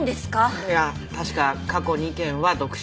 いや確か過去２件は独身女性